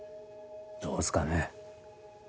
どうっすかね。